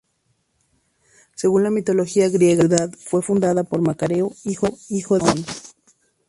Según la mitología griega, la ciudad fue fundada por Macareo, hijo de Licaón.